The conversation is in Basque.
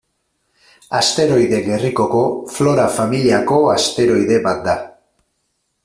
Asteroide gerrikoko Flora familiako asteroide bat da.